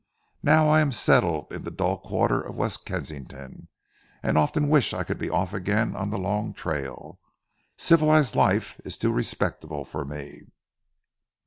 Now I am settled in the dull quarter of West Kensington, and often wish I could be off again on the long trail. Civilised life is too respectable for me."